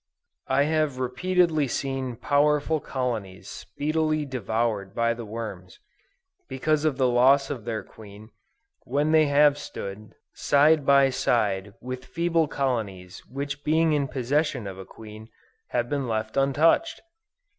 I have repeatedly seen powerful colonies speedily devoured by the worms, because of the loss of their queen, when they have stood, side by side with feeble colonies which being in possession of a queen, have been left untouched!